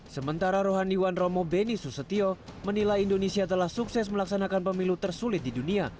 sementara rohaniwan romo beni susetio menilai indonesia telah sukses melaksanakan pemilu tersulit di dunia